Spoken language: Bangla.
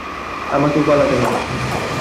আমাকেও পালাতে হবে!